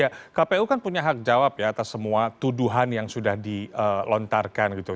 ya kpu kan punya hak jawab ya atas semua tuduhan yang sudah dilontarkan gitu